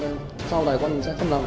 nhưng mà dự báo anh ta sẽ không đưa vào